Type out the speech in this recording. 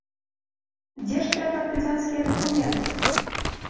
Дзе ж твае партызанскія дакументы!